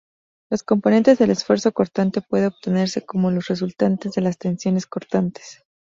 Las componentes del esfuerzo cortante puede obtenerse como las resultantes de las tensiones cortantes.